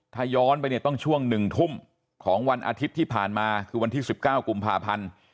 ถ้าย้อนไปเนี่ยต้องช่วง๑ทุ่มของวันอาทิตย์ที่ผ่านมาคือวันที่๑๙กุมภาพันธ์